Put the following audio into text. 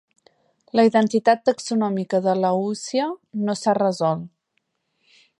La identitat taxonòmica de l'"ausia" no s'ha resolt.